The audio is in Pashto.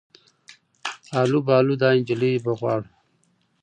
آلو بالو دا انجلۍ به غواړو